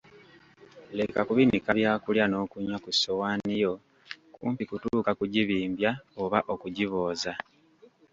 Leka kubinika byakulya n'okunywa ku ssowaani yo kumpi kutuuka kugibimbya oba okigibooza.